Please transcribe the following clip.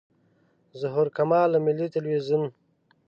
ظهور کمال له ملي تلویزیون.